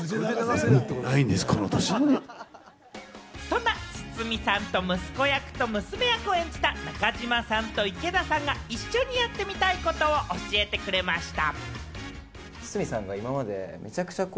そんな堤さんの息子役と娘役を演じた中島さんと池田さんが一緒にやってみたいことを教えてくれました。